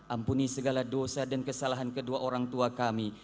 ampuni segala dosa dan kesalahan kedua orang tua kami